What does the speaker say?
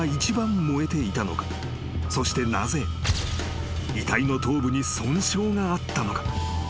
［そしてなぜ遺体の頭部に損傷があったのか？］